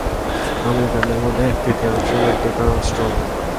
আমেরিকানদের মধ্যে এক-তৃতীয়াংশের মৃত্যুর কারণ স্ট্রোক।